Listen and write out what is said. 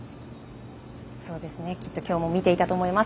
きっと今日も見ていたと思います。